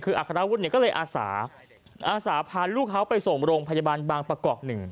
คืออัครวุฒิเนี่ยก็เลยอาสาอาสาพาลูกเขาไปส่งโรงพยาบาลบางประกอบ๑